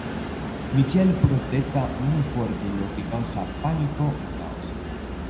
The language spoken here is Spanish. Michael protesta muy fuerte, lo que causa pánico y caos.